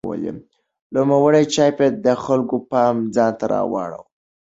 لومړنی چاپ یې د خلکو پام ځانته راواړاوه.